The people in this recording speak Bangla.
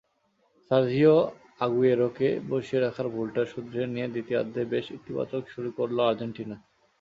সার্জিও আগুয়েরোকে বসিয়ে রাখার ভুলটা শুধরে নিয়ে দ্বিতীয়ার্ধে বেশ ইতিবাচক শুরু করল আর্জেন্টিনা।